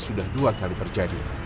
sudah dua kali terjadi